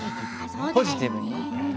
ポジティブにね。